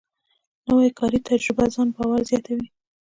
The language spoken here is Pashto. نوې کاري تجربه ځان باور زیاتوي